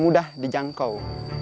paling mudah dijangkau